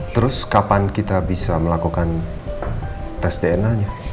terus kapan kita bisa melakukan tes dna nya